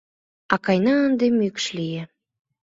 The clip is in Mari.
Акайна ынде мӱкш лие.